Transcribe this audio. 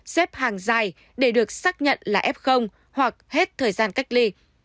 xếp hàng dài để được xác nhận là f hoặc hết thời gian cách ly